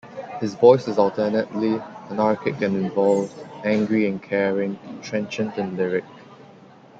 His voice is alternately anarchic and involved, angry and caring, trenchant and lyric.